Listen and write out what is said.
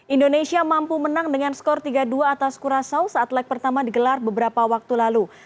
indonesia mampu menang dengan skor tiga dua atas kurasaw saat leg pertama digelar beberapa waktu lalu